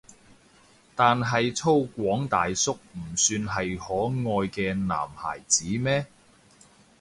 但係粗獷大叔唔算係可愛嘅男孩子咩？